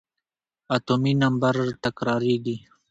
اتومي نمبر تکرارېږي.